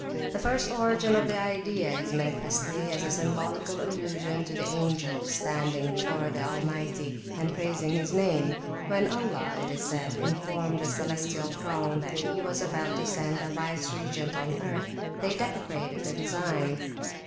The first origin of the idea is manifestly a symbolical allusion to the angels standing before the Almighty and praising his name. When Allah, it is said, informed the celestial throng that he was about to send a vice regent on earth, they deprecated the design.